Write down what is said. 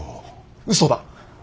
うそだ。